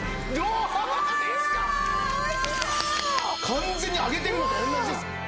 完全に揚げてるのと同じです。